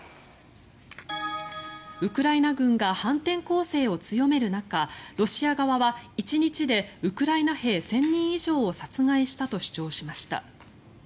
ウクライナ軍が反転攻勢を強める中ロシア側は１日でウクライナ兵１０００人以上を殺害したと主張しました。